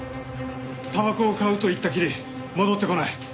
たばこを買うと行ったきり戻ってこない。